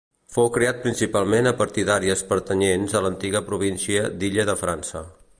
Fou creat principalment a partir d'àrees pertanyents a l'antiga província d'Illa de França.